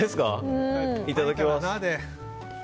いただきます。